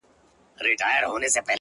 جادوگري جادوگر دي اموخته کړم-